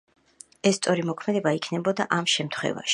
ეს სწორი მოქმედება იქნებოდა იმ შემთხვევაში.